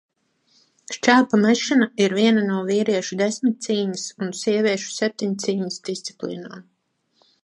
Šķēpa mešana ir viena no vīriešu desmitcīņas un sieviešu septiņcīņas disciplīnām.